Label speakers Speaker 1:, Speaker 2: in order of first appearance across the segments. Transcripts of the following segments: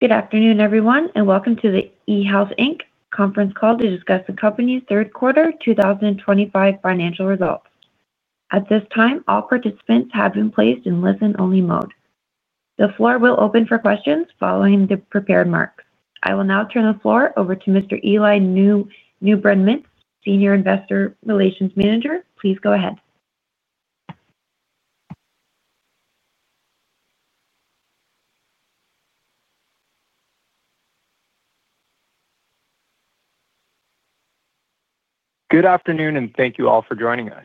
Speaker 1: Good afternoon, everyone, and welcome to the eHealth Inc. conference call to discuss the company's third quarter 2025 financial results. At this time, all participants have been placed in listen-only mode. The floor will open for questions following the prepared marks. I will now turn the floor over to Mr. Eli Newbrun-Mintz, Senior Investor Relations Manager. Please go ahead.
Speaker 2: Good afternoon, and thank you all for joining us.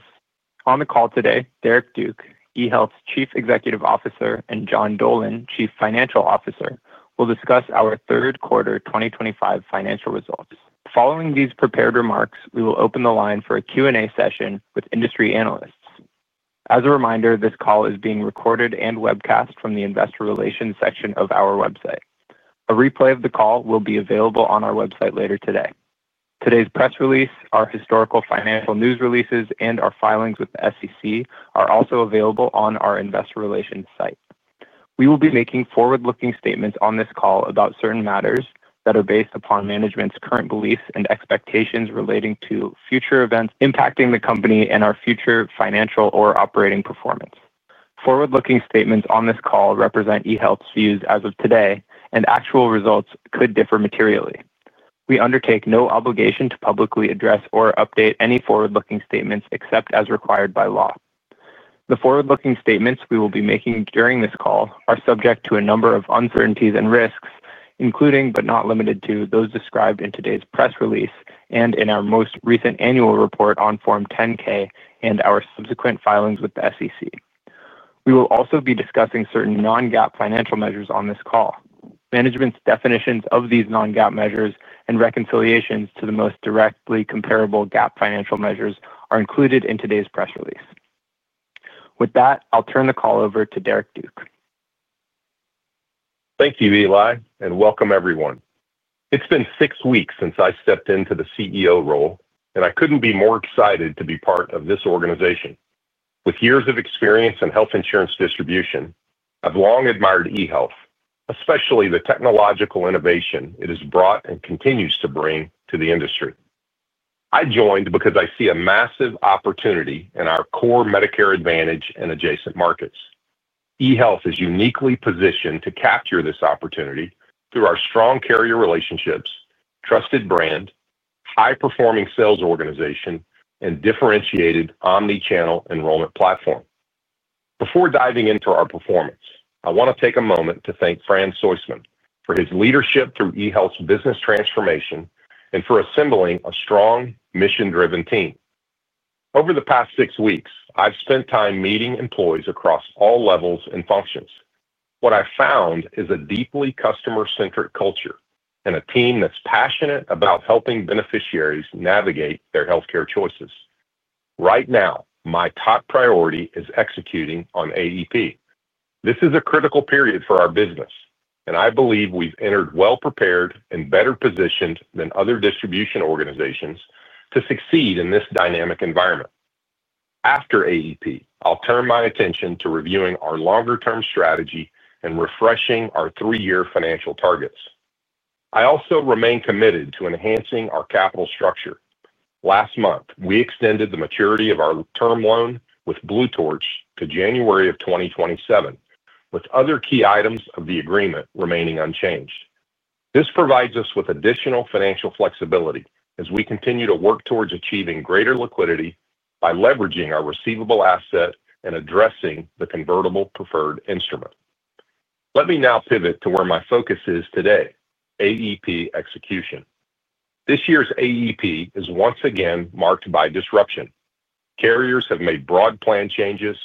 Speaker 2: On the call today, Derrick Duke, eHealth's Chief Executive Officer, and John Dolan, Chief Financial Officer, will discuss our third quarter 2025 financial results. Following these prepared remarks, we will open the line for a Q&A session with industry analysts. As a reminder, this call is being recorded and webcast from the Investor Relations section of our website. A replay of the call will be available on our website later today. Today's press release, our historical financial news releases, and our filings with the SEC are also available on our Investor Relations site. We will be making forward-looking statements on this call about certain matters that are based upon management's current beliefs and expectations relating to future events impacting the company and our future financial or operating performance. Forward-looking statements on this call represent eHealth's views as of today, and actual results could differ materially. We undertake no obligation to publicly address or update any forward-looking statements except as required by law. The forward-looking statements we will be making during this call are subject to a number of uncertainties and risks, including but not limited to those described in today's press release and in our most recent annual report on Form 10-K and our subsequent filings with the SEC. We will also be discussing certain non-GAAP financial measures on this call. Management's definitions of these non-GAAP measures and reconciliations to the most directly comparable GAAP financial measures are included in today's press release. With that, I'll turn the call over to Derrick Duke.
Speaker 3: Thank you, Eli, and welcome, everyone. It's been six weeks since I stepped into the CEO role, and I couldn't be more excited to be part of this organization. With years of experience in health insurance distribution, I've long admired eHealth, especially the technological innovation it has brought and continues to bring to the industry. I joined because I see a massive opportunity in our core Medicare advantage and adjacent markets. eHealth is uniquely positioned to capture this opportunity through our strong carrier relationships, trusted brand, high-performing sales organization, and differentiated omnichannel enrollment platform. Before diving into our performance, I want to take a moment to thank Fran Soistman for his leadership through eHealth's business transformation and for assembling a strong, mission-driven team. Over the past six weeks, I've spent time meeting employees across all levels and functions. What I found is a deeply customer-centric culture and a team that's passionate about helping beneficiaries navigate their healthcare choices. Right now, my top priority is executing on AEP. This is a critical period for our business, and I believe we've entered well-prepared and better positioned than other distribution organizations to succeed in this dynamic environment. After AEP, I'll turn my attention to reviewing our longer-term strategy and refreshing our three-year financial targets. I also remain committed to enhancing our capital structure. Last month, we extended the maturity of our term loan with Blue Torch to January of 2027, with other key items of the agreement remaining unchanged. This provides us with additional financial flexibility as we continue to work towards achieving greater liquidity by leveraging our receivable asset and addressing the convertible preferred instrument. Let me now pivot to where my focus is today: AEP execution. This year's AEP is once again marked by disruption. Carriers have made broad plan changes,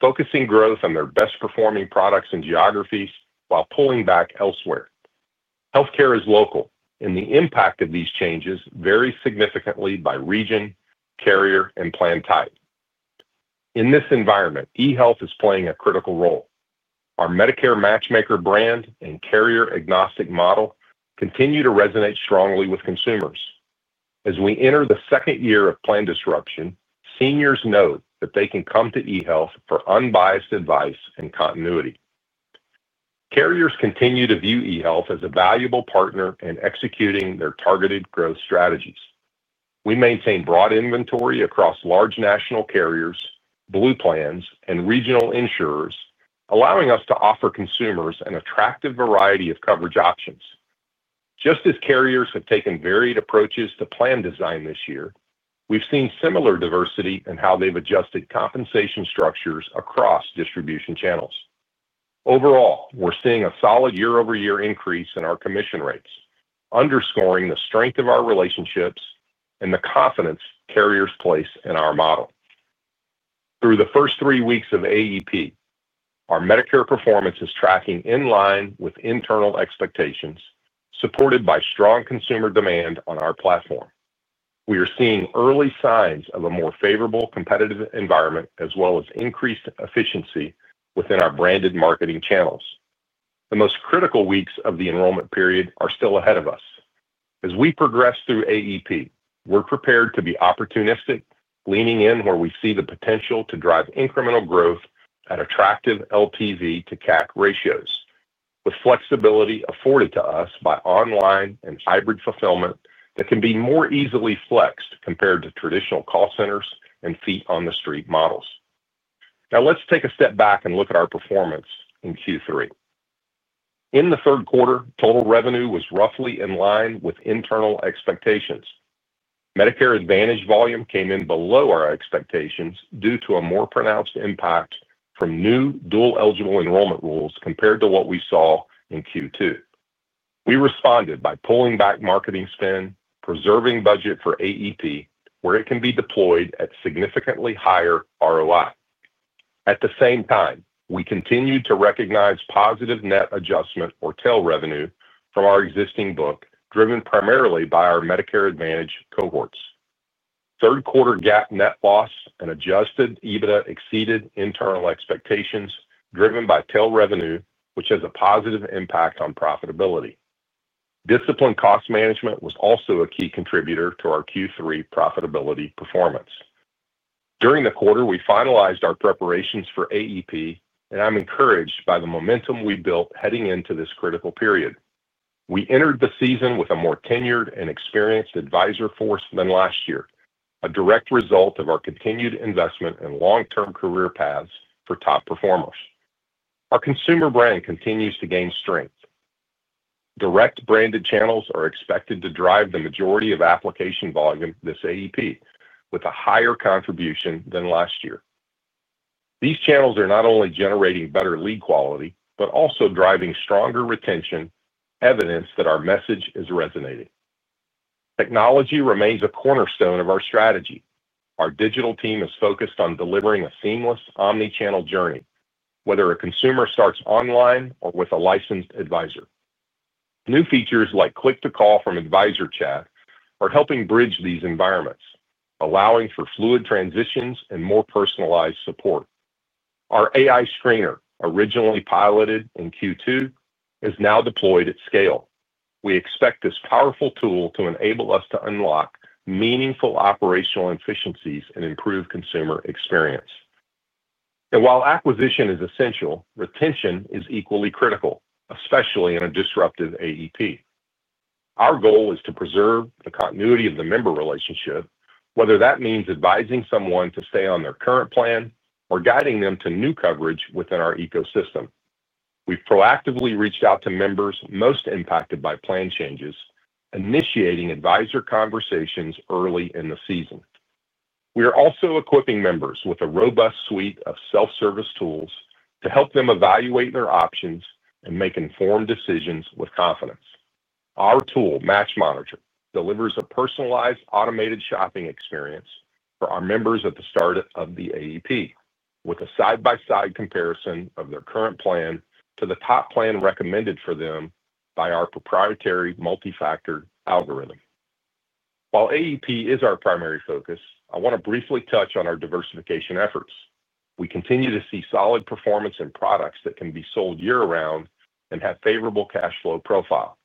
Speaker 3: focusing growth on their best-performing products and geographies while pulling back elsewhere. Healthcare is local, and the impact of these changes varies significantly by region, carrier, and plan type. In this environment, eHealth is playing a critical role. Our Medicare matchmaker brand and carrier-agnostic model continue to resonate strongly with consumers. As we enter the second year of plan disruption, seniors know that they can come to eHealth for unbiased advice and continuity. Carriers continue to view eHealth as a valuable partner in executing their targeted growth strategies. We maintain broad inventory across large national carriers, blue plans, and regional insurers, allowing us to offer consumers an attractive variety of coverage options. Just as carriers have taken varied approaches to plan design this year, we've seen similar diversity in how they've adjusted compensation structures across distribution channels. Overall, we're seeing a solid year-over-year increase in our commission rates, underscoring the strength of our relationships and the confidence carriers place in our model. Through the first three weeks of AEP, our Medicare performance is tracking in line with internal expectations, supported by strong consumer demand on our platform. We are seeing early signs of a more favorable competitive environment, as well as increased efficiency within our branded marketing channels. The most critical weeks of the enrollment period are still ahead of us. As we progress through AEP, we're prepared to be opportunistic, leaning in where we see the potential to drive incremental growth at attractive LTV-to-CAC ratios, with flexibility afforded to us by online and hybrid fulfillment that can be more easily flexed compared to traditional call centers and feet-on-the-street models. Now, let's take a step back and look at our performance in Q3. In the third quarter, total revenue was roughly in line with internal expectations. Medicare Advantage volume came in below our expectations due to a more pronounced impact from new dual-eligible enrollment rules compared to what we saw in Q2. We responded by pulling back marketing spend, preserving budget for AEP, where it can be deployed at significantly higher ROI. At the same time, we continued to recognize positive net adjustment, or TEL, revenue from our existing book, driven primarily by our Medicare Advantage cohorts. Third-quarter GAAP net loss and adjusted EBITDA exceeded internal expectations, driven by TEL revenue, which has a positive impact on profitability. Disciplined cost management was also a key contributor to our Q3 profitability performance. During the quarter, we finalized our preparations for AEP, and I'm encouraged by the momentum we built heading into this critical period. We entered the season with a more tenured and experienced advisor force than last year, a direct result of our continued investment in long-term career paths for top performers. Our consumer brand continues to gain strength. Direct branded channels are expected to drive the majority of application volume this AEP, with a higher contribution than last year. These channels are not only generating better lead quality but also driving stronger retention, evidence that our message is resonating. Technology remains a cornerstone of our strategy. Our digital team is focused on delivering a seamless omnichannel journey, whether a consumer starts online or with a licensed advisor. New features like click-to-call from advisor chat are helping bridge these environments, allowing for fluid transitions and more personalized support. Our AI screener, originally piloted in Q2, is now deployed at scale. We expect this powerful tool to enable us to unlock meaningful operational efficiencies and improve consumer experience. And while acquisition is essential, retention is equally critical, especially in a disruptive AEP. Our goal is to preserve the continuity of the member relationship, whether that means advising someone to stay on their current plan or guiding them to new coverage within our ecosystem. We've proactively reached out to members most impacted by plan changes, initiating advisor conversations early in the season. We are also equipping members with a robust suite of self-service tools to help them evaluate their options and make informed decisions with confidence. Our tool, MatchMonitor, delivers a personalized automated shopping experience for our members at the start of the AEP, with a side-by-side comparison of their current plan to the top plan recommended for them by our proprietary multi-factor algorithm. While AEP is our primary focus, I want to briefly touch on our diversification efforts. We continue to see solid performance in products that can be sold year-round and have a favorable cash flow profile,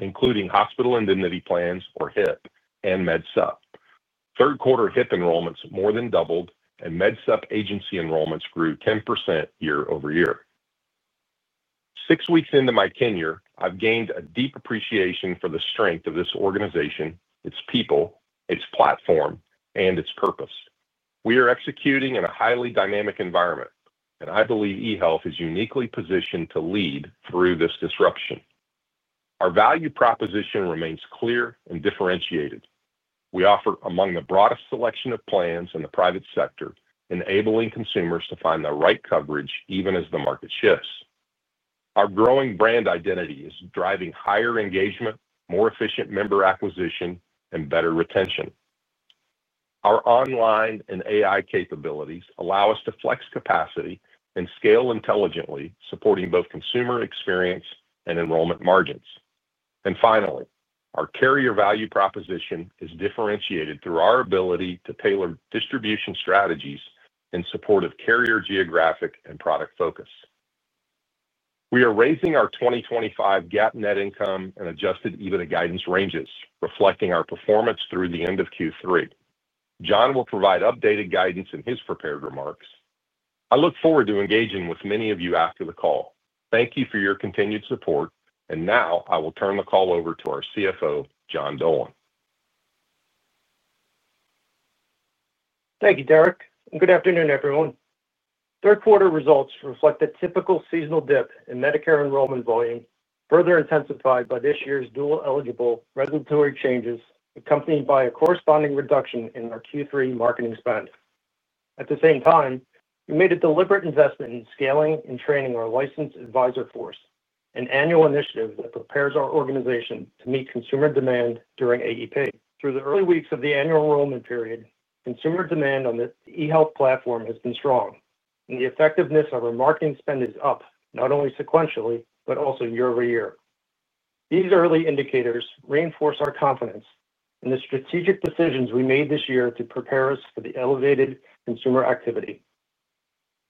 Speaker 3: including hospital indemnity plans, or HIP, and MedSup. Third-quarter HIP enrollments more than doubled, and MedSup agency enrollments grew 10% year-over-year. Six weeks into my tenure, I've gained a deep appreciation for the strength of this organization, its people, its platform, and its purpose. We are executing in a highly dynamic environment, and I believe eHealth is uniquely positioned to lead through this disruption. Our value proposition remains clear and differentiated. We offer among the broadest selection of plans in the private sector, enabling consumers to find the right coverage even as the market shifts. Our growing brand identity is driving higher engagement, more efficient member acquisition, and better retention. Our online and AI capabilities allow us to flex capacity and scale intelligently, supporting both consumer experience and enrollment margins. And finally, our carrier value proposition is differentiated through our ability to tailor distribution strategies in support of carrier geographic and product focus. We are raising our 2025 GAAP net income and adjusted EBITDA guidance ranges, reflecting our performance through the end of Q3. John will provide updated guidance in his prepared remarks. I look forward to engaging with many of you after the call. Thank you for your continued support, and now I will turn the call over to our CFO, John Dolan.
Speaker 4: Thank you, Derrick. And good afternoon, everyone. Third-quarter results reflect a typical seasonal dip in Medicare enrollment volume, further intensified by this year's dual-eligible regulatory changes, accompanied by a corresponding reduction in our Q3 marketing spend. At the same time, we made a deliberate investment in scaling and training our licensed advisor force, an annual initiative that prepares our organization to meet consumer demand during AEP. Through the early weeks of the annual enrollment period, consumer demand on the eHealth platform has been strong, and the effectiveness of our marketing spend is up not only sequentially but also year-over-year. These early indicators reinforce our confidence in the strategic decisions we made this year to prepare us for the elevated consumer activity.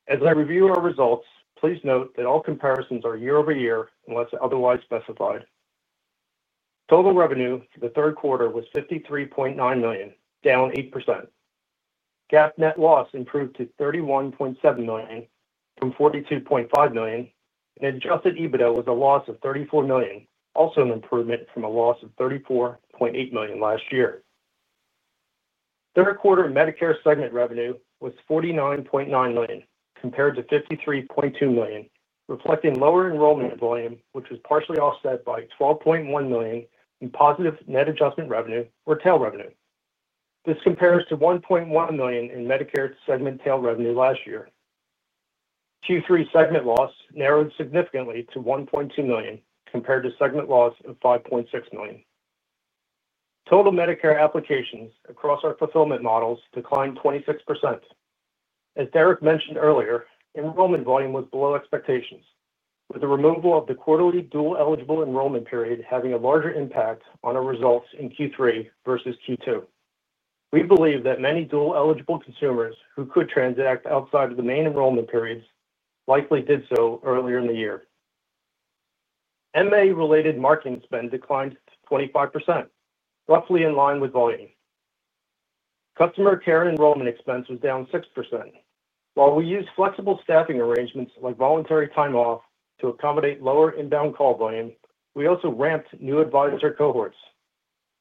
Speaker 4: As I review our results, please note that all comparisons are year-over-year unless otherwise specified. Total revenue for the third quarter was $53.9 million, down 8%. GAAP net loss improved to $31.7 million from $42.5 million, and adjusted EBITDA was a loss of $34 million, also an improvement from a loss of $34.8 million last year. Third-quarter Medicare segment revenue was $49.9 million compared to $53.2 million, reflecting lower enrollment volume, which was partially offset by $12.1 million in positive net adjustment revenue, or TEL revenue. This compares to $1.1 million in Medicare segment TEL revenue last year. Q3 segment loss narrowed significantly to 1.2 million compared to segment loss of $5.6 million. Total Medicare applications across our fulfillment models declined 26%. As Derrick mentioned earlier, enrollment volume was below expectations, with the removal of the quarterly dual-eligible enrollment period having a larger impact on our results in Q3 versus Q2. We believe that many dual-eligible consumers who could transact outside of the main enrollment periods likely did so earlier in the year. MA-related marketing spend declined to 25%, roughly in line with volume. Customer care and enrollment expense was down 6%. While we used flexible staffing arrangements like voluntary time off to accommodate lower inbound call volume, we also ramped new advisor cohorts.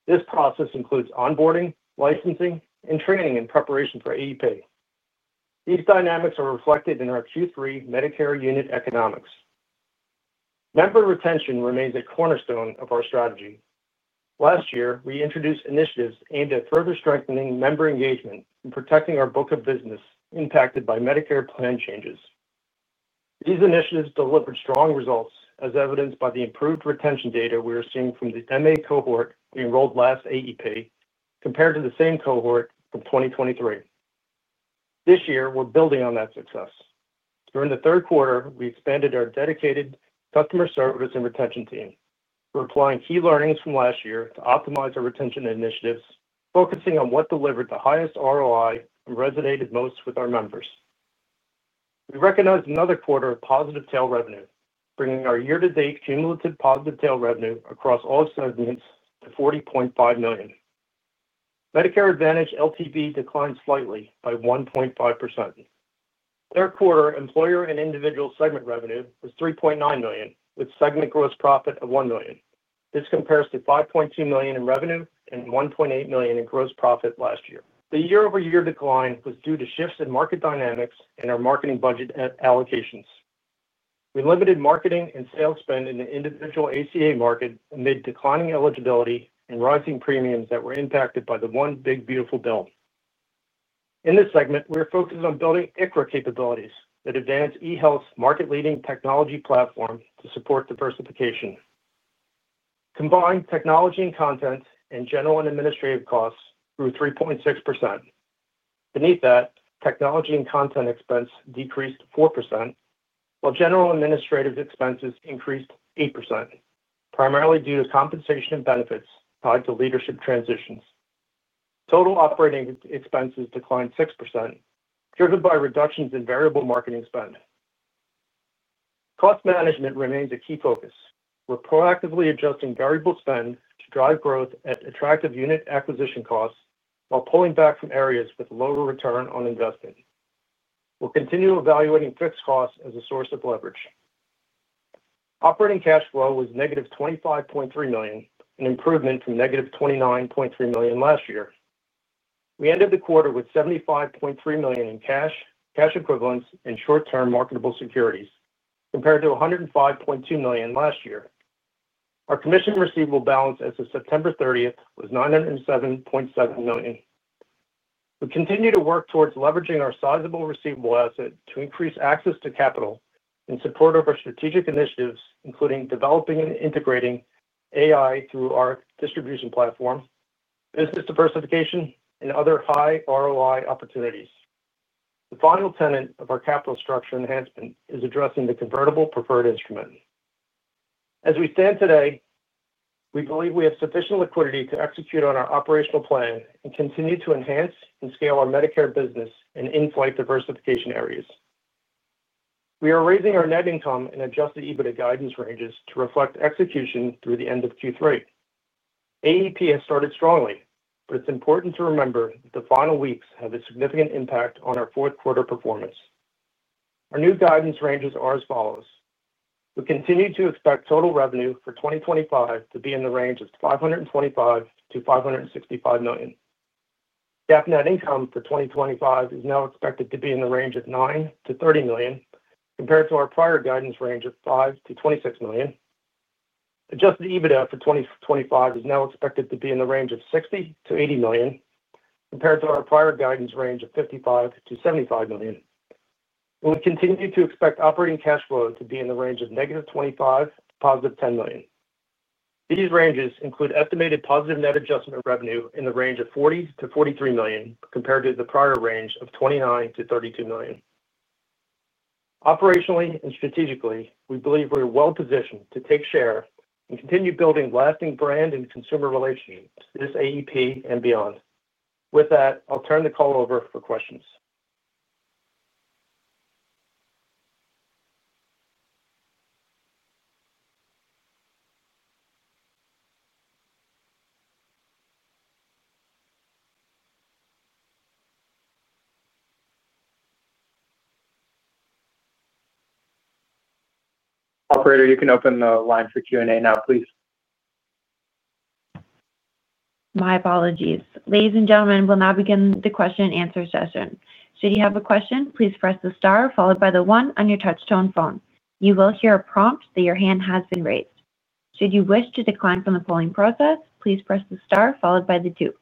Speaker 4: This process includes onboarding, licensing, and training in preparation for AEP. These dynamics are reflected in our Q3 Medicare unit economics. Member retention remains a cornerstone of our strategy. Last year, we introduced initiatives aimed at further strengthening member engagement and protecting our book of business impacted by Medicare plan changes. These initiatives delivered strong results, as evidenced by the improved retention data we are seeing from the MA cohort we enrolled last AEP compared to the same cohort from 2023. This year, we're building on that success. During the third quarter, we expanded our dedicated customer service and retention team, replying to key learnings from last year to optimize our retention initiatives, focusing on what delivered the highest ROI and resonated most with our members. We recognized another quarter of positive TEL revenue, bringing our year-to-date cumulative positive TEL revenue across all segments to $40.5 million. Medicare Advantage LTV declined slightly by 1.5%. Third quarter employer and individual segment revenue was $3.9 million, with segment gross profit of $1 million. This compares to $5.2 million in revenue and $1.8 million in gross profit last year. The year-over-year decline was due to shifts in market dynamics and our marketing budget allocations. We limited marketing and sales spend in the individual ACA market amid declining eligibility and rising premiums that were impacted by the One Big Beautiful Bill. In this segment, we are focused on building ICRA capabilities that advance eHealth's market-leading technology platform to support diversification. Combined technology and content and general and administrative costs grew 3.6%. Beneath that, technology and content expense decreased 4%, while general and administrative expenses increased 8%, primarily due to compensation and benefits tied to leadership transitions. Total operating expenses declined 6%, driven by reductions in variable marketing spend. Cost management remains a key focus. We're proactively adjusting variable spend to drive growth at attractive unit acquisition costs while pulling back from areas with lower return on investing. We'll continue evaluating fixed costs as a source of leverage. Operating cash flow was negative $25.3 million, an improvement from negative $29.3 million last year. We ended the quarter with $75.3 million in cash, cash equivalents, and short-term marketable securities, compared to $105.2 million last year. Our commission receivable balance as of September 30th was $907.7 million. We continue to work towards leveraging our sizable receivable asset to increase access to capital in support of our strategic initiatives, including developing and integrating AI through our distribution platform, business diversification, and other high ROI opportunities. The final tenet of our capital structure enhancement is addressing the convertible preferred instrument. As we stand today, we believe we have sufficient liquidity to execute on our operational plan and continue to enhance and scale our Medicare business and in-flight diversification areas. We are raising our net income and adjusted EBITDA guidance ranges to reflect execution through the end of Q3. AEP has started strongly, but it's important to remember that the final weeks have a significant impact on our fourth-quarter performance. Our new guidance ranges are as follows. We continue to expect total revenue for 2025 to be in the range of $525 millions-$565 million. GAAP net income for 2025 is now expected to be in the range of $9 million-$30 million, compared to our prior guidance range of $5 million-$26 million. Adjusted EBITDA for 2025 is now expected to be in the range of $60 million-$80 million, compared to our prior guidance range of $55 million-$75 million. We continue to expect operating cash flow to be in the range of -$25 million to +$10 million. These ranges include estimated positive net adjustment revenue in the range of $40 million-$43 million, compared to the prior range of $29 million-$32 million. Operationally and strategically, we believe we're well-positioned to take share and continue building lasting brand and consumer relationships to this AEP and beyond. With that, I'll turn the call over for questions. Operator, you can open the line for Q&A now, please.
Speaker 1: My apologies. Ladies and gentlemen, we'll now begin the question-and-answer session. Should you have a question, please press the star followed by the one on your touch-tone phone. You will hear a prompt that your hand has been raised. Should you wish to decline from the polling process, please press the star followed by the two.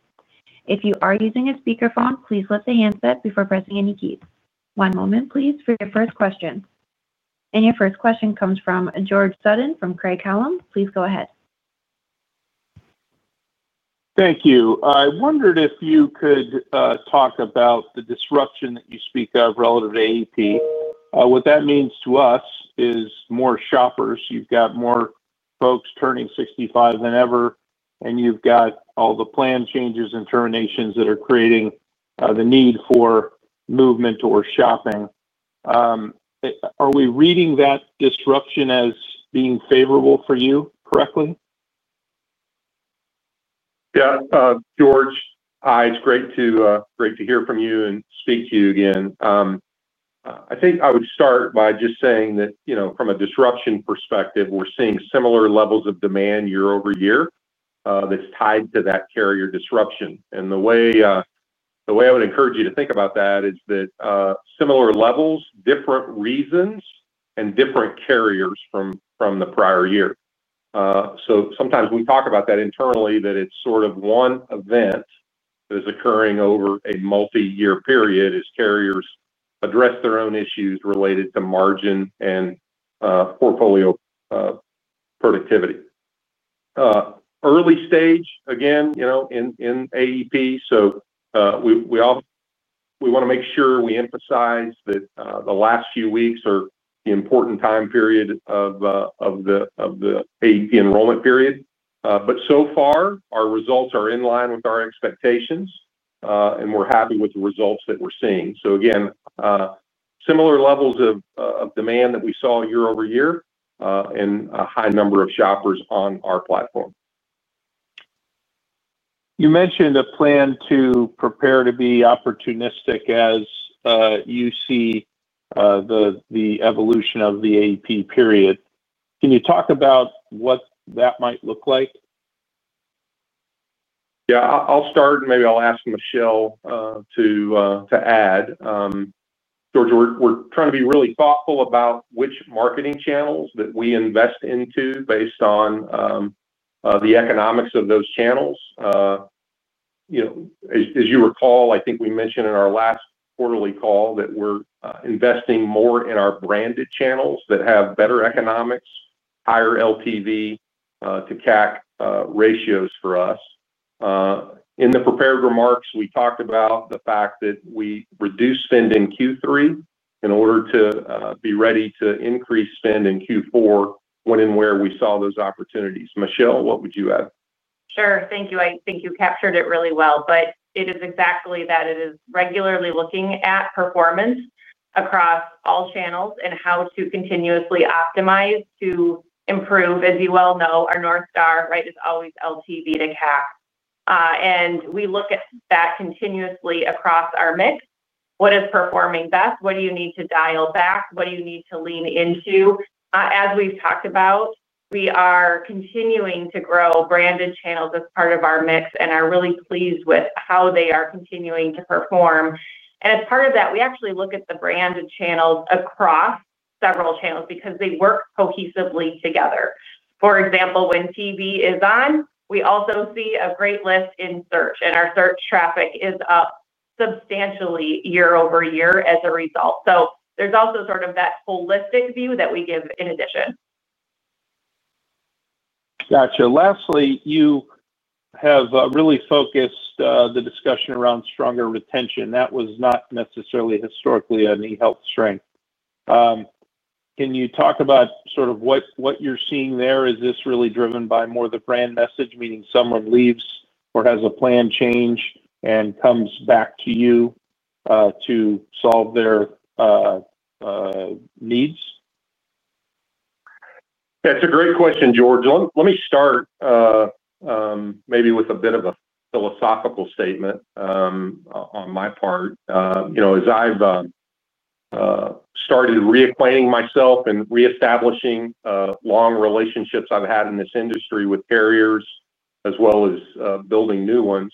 Speaker 1: If you are using a speakerphone, please lift the handset before pressing any keys. One moment, please, for your first question. And your first question comes from George Sutton from Craig-Hallam. Please go ahead.
Speaker 5: Thank you. I wondered if you could talk about the disruption that you speak of relative to AEP. What that means to us is more shoppers. You've got more folks turning 65 than ever, and you've got all the plan changes and terminations that are creating the need for movement or shopping. Are we reading that disruption as being favorable for you correctly?
Speaker 3: Yeah. George Hi, it's great to hear from you and speak to you again. I think I would start by just saying that from a disruption perspective, we're seeing similar levels of demand year-over-year that's tied to that carrier disruption. And the way. I would encourage you to think about that is that similar levels, different reasons, and different carriers from the prior year. So sometimes we talk about that internally, that it's sort of one event. That is occurring over a multi-year period as carriers address their own issues related to margin and. Portfolio. Productivity. Early stage, again. In AEP. So. We want to make sure we emphasize that the last few weeks are the important time period of. The AEP enrollment period. But so far, our results are in line with our expectations, and we're happy with the results that we're seeing. So again, similar levels of demand that we saw year-over-year and a high number of shoppers on our platform.
Speaker 5: You mentioned a plan to prepare to be opportunistic as. You see. The evolution of the AEP period. Can you talk about what that might look like?
Speaker 3: Yeah. I'll start, and maybe I'll ask Michelle to add. George, we're trying to be really thoughtful about which marketing channels that we invest into based on. The economics of those channels. As you recall, I think we mentioned in our last quarterly call that we're investing more in our branded channels that have better economics, higher LTV-to-CAC ratios for us. In the prepared remarks, we talked about the fact that we reduce spend in Q3 in order to be ready to increase spend in Q4 when and where we saw those opportunities. Michelle, what would you add?
Speaker 6: Sure. Thank you. I think you captured it really well. But it is exactly that. It is regularly looking at performance across all channels and how to continuously optimize to improve. As you well know, our North Star, right, is always LTV-to-CAC. And we look at that continuously across our mix. What is performing best? What do you need to dial back? What do you need to lean into? As we've talked about, we are continuing to grow branded channels as part of our mix, and are really pleased with how they are continuing to perform. And as part of that, we actually look at the branded channels across several channels because they work cohesively together. For example, when TV is on, we also see a great lift in search, and our search traffic is up substantially year-over-year as a result. So there's also sort of that holistic view that we give in addition.
Speaker 5: Gotcha. Lastly, you have really focused the discussion around stronger retention. That was not necessarily historically an eHealth strength. Can you talk about sort of what you're seeing there? Is this really driven by more the brand message, meaning someone leaves or has a plan change and comes back to you. To solve their. Needs?
Speaker 3: That's a great question, George. Let me start. Maybe with a bit of a philosophical statement. On my part. As I've. Started reacquainting myself and reestablishing long relationships I've had in this industry with carriers, as well as building new ones.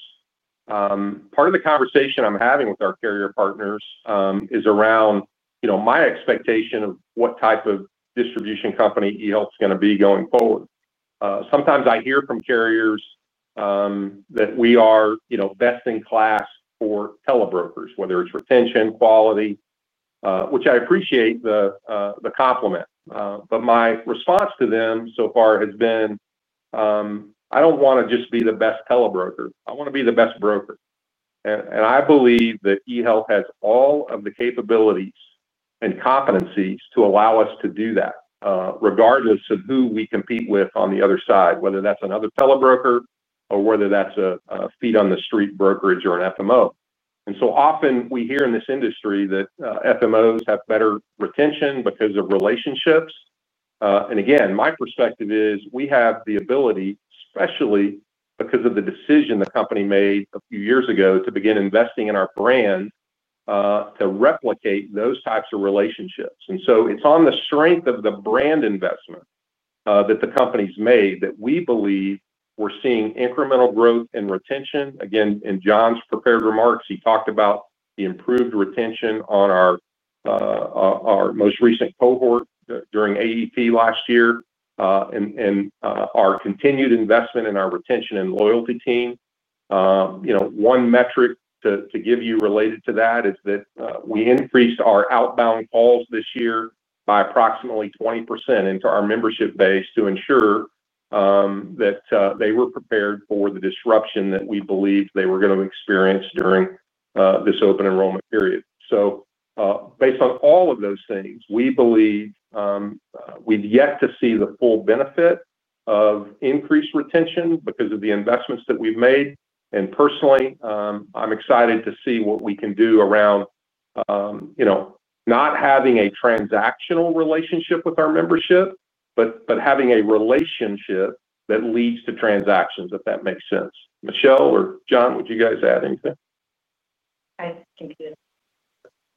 Speaker 3: Part of the conversation I'm having with our carrier partners is around. My expectation of what type of distribution company eHealth is going to be going forward. Sometimes I hear from carriers. That we are best in class for telebrokers, whether it's retention, quality, which I appreciate the compliment. But my response to them so far has been, "I don't want to just be the best telebroker. I want to be the best broker." And I believe that eHealth has all of the capabilities and competencies to allow us to do that, regardless of who we compete with on the other side, whether that's another telebroker or whether that's a feet-on-the-street brokerage or an FMO. And so often, we hear in this industry that FMOs have better retention because of relationships. And again, my perspective is we have the ability, especially because of the decision the company made a few years ago to begin investing in our brand. To replicate those types of relationships. And so it's on the strength of the brand investment that the companies made that we believe we're seeing incremental growth in retention. Again, in John's prepared remarks, he talked about the improved retention on our. Most recent cohort during AEP last year. And our continued investment in our retention and loyalty team. One metric to give you related to that is that we increased our outbound calls this year by approximately 20% into our membership base to ensure. That they were prepared for the disruption that we believed they were going to experience during. This open enrollment period. So based on all of those things, we believe. We've yet to see the full benefit of increased retention because of the investments that we've made. And personally, I'm excited to see what we can do around. Not having a transactional relationship with our membership, but having a relationship that leads to transactions, if that makes sense. Michelle or John, would you guys add anything?
Speaker 6: I think you did.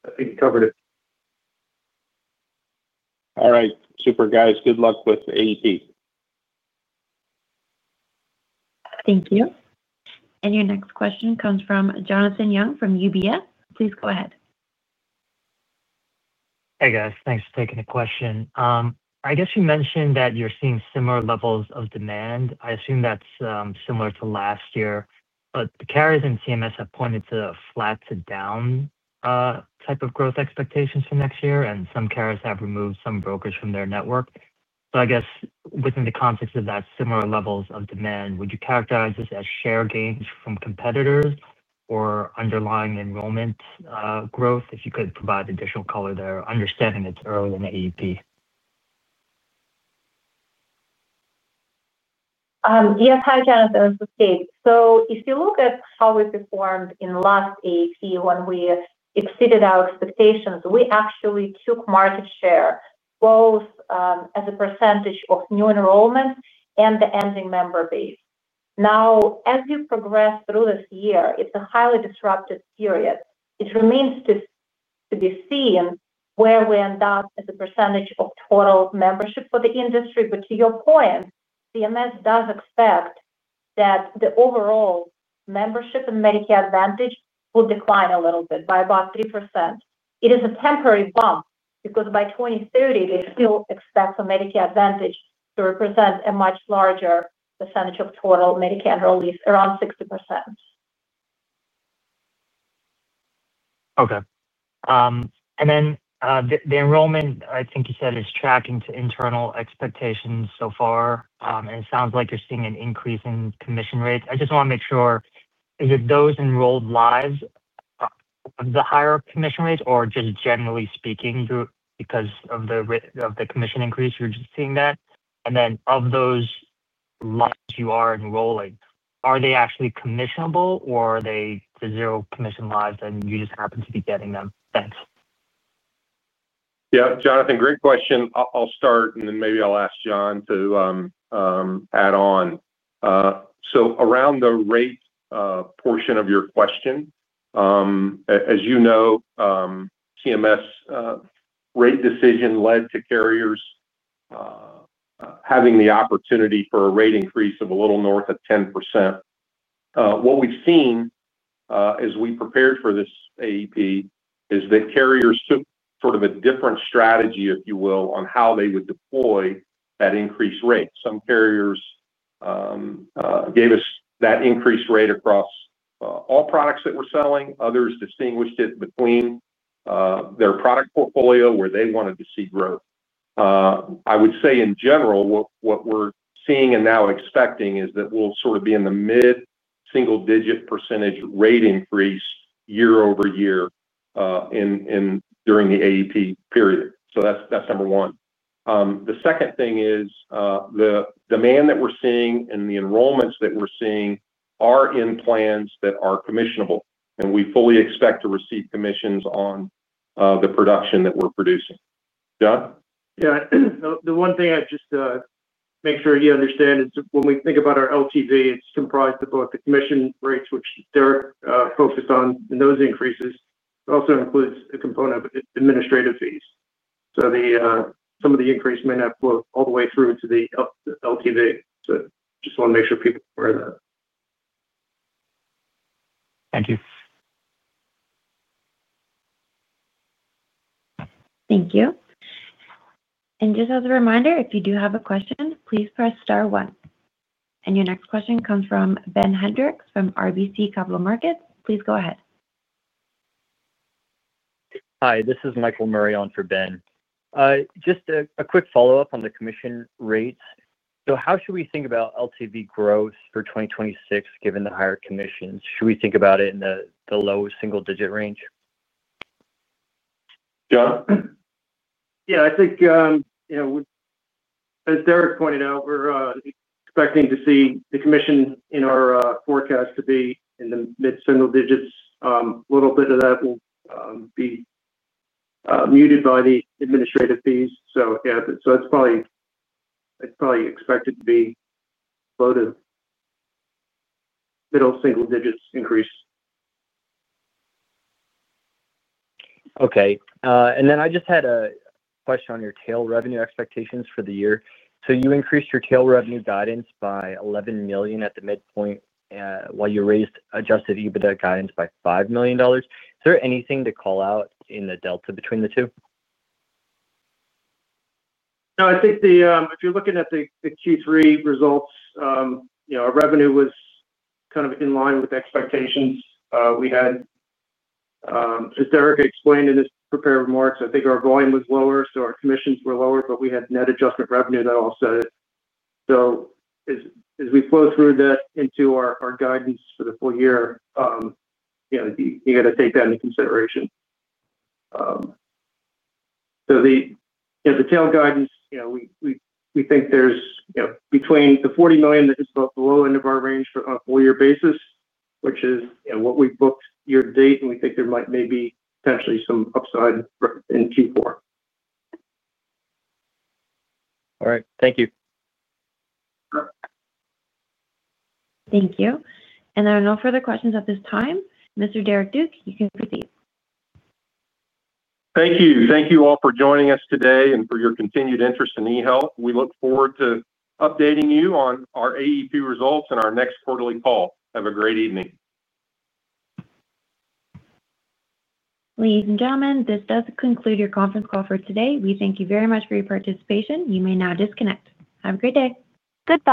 Speaker 4: I think you covered it.
Speaker 5: All right. Super, guys. Good luck with AEP.
Speaker 1: Thank you. And your next question comes from Jonathan Young from UBS. Please go ahead.
Speaker 7: Hey, guys. Thanks for taking the question. I guess you mentioned that you're seeing similar levels of demand. I assume that's similar to last year. But the carriers in CMS have pointed to flat to down. Type of growth expectations for next year, and some carriers have removed some brokers from their network. So I guess within the context of that, similar levels of demand, would you characterize this as share gains from competitors or underlying enrollment growth? If you could provide additional color there, understanding it's early in the AEP.
Speaker 8: Yes. Hi, Jonathan. This is Kate. So if you look at how we performed in last AEP, when we exceeded our expectations, we actually took market share both as a percentage of new enrollment and the ending member base. Now, as we progress through this year, it's a highly disrupted period. It remains to. Be seen where we end up as a percentage of total membership for the industry. But to your point, CMS does expect that the overall membership and Medicare advantage will decline a little bit by about 3%. It is a temporary bump because by 2030, they still expect for Medicare advantage to represent a much larger percentage of total Medicare release, around 60%.
Speaker 7: Okay. And then the enrollment, I think you said, is tracking to internal expectations so far. And it sounds like you're seeing an increase in commission rates. I just want to make sure, is it those enrolled lives. Of the higher commission rate, or just generally speaking, because of the commission increase, you're just seeing that? And then of those. Lives you are enrolling, are they actually commissionable, or are they the zero-commission lives and you just happen to be getting them? Thanks.
Speaker 3: Yeah. Jonathan, great question. I'll start, and then maybe I'll ask John to. Add on. So around the rate portion of your question. As you know. CMS. Rate decision led to carriers. Having the opportunity for a rate increase of a little north of 10%. What we've seen. As we prepared for this AEP is that carriers took sort of a different strategy, if you will, on how they would deploy that increased rate. Some carriers. Gave us that increased rate across all products that we're selling. Others distinguished it between. Their product portfolio where they wanted to see growth. I would say, in general, what we're seeing and now expecting is that we'll sort of be in the mid-single-digit percentage rate increase year-over-year. During the AEP period. So that's number one. The second thing is. The demand that we're seeing and the enrollments that we're seeing are in plans that are commissionable. And we fully expect to receive commissions on. The production that we're producing. John?
Speaker 4: Yeah. The one thing I just. Make sure you understand is when we think about our LTV, it's comprised of both the commission rates, which they're focused on, and those increases. It also includes a component of administrative fees. So some of the increase may not go all the way through to the LTV. So just want to make sure people are aware of that.
Speaker 7: Thank you.
Speaker 1: Thank you. And just as a reminder, if you do have a question, please press star one. And your next question comes from Ben Hendricks from RBC Capital Markets. Please go ahead.
Speaker 9: Hi, this is Michael Murray on for Ben. Just a quick follow-up on the commission rates. So how should we think about LTV growth for 2026 given the higher commissions? Should we think about it in the low single-digit range?
Speaker 3: John?
Speaker 4: Yeah. I think. As Derrick pointed out, we're expecting to see the commission in our forecast to be in the mid-single digits. A little bit of that will be. Muted by the administrative fees. So yeah, so it's probably. Expected to be. Low to. Middle single digits increase.
Speaker 9: Okay. And then I just had a question on your tail revenue expectations for the year. So you increased your tail revenue guidance by 11 million at the midpoint, while you raised adjusted EBITDA guidance by $5 million. Is there anything to call out in the delta between the two?
Speaker 4: No, I think if you're looking at the Q3 results. Our revenue was kind of in line with expectations. We had. As Derrick explained in his prepared remarks, I think our volume was lower, so our commissions were lower, but we had net adjustment revenue that all said it. So. As we flow through that into our guidance for the full year. You got to take that into consideration. So. The tail guidance, we think there's between the 40 million that is the low end of our range for a four-year basis, which is what we booked year to date, and we think there might maybe potentially some upside in Q4.
Speaker 9: All right. Thank you.
Speaker 1: Thank you. And there are no further questions at this time. Mr. Derrick Duke, you can proceed.
Speaker 3: Thank you. Thank you all for joining us today and for your continued interest in eHealth. We look forward to updating you on our AEP results and our next quarterly call. Have a great evening.
Speaker 1: Ladies and gentlemen, this does conclude your conference call for today. We thank you very much for your participation. You may now disconnect. Have a great day. Good.